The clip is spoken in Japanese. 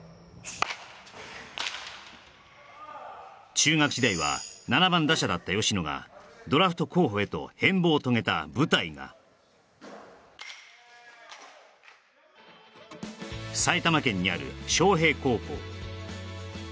中学時代は７番打者だった吉野がドラフト候補へと変貌を遂げた舞台が埼玉県にある昌平高校